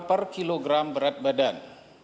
per kilogram berat badan